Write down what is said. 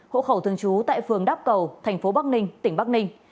hộ khẩu thường trú tại phường đắp cầu thành phố bắc ninh tỉnh bắc ninh